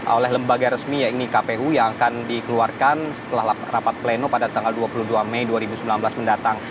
oleh lembaga resmi yaitu kpu yang akan dikeluarkan setelah rapat pleno pada tanggal dua puluh dua mei dua ribu sembilan belas mendatang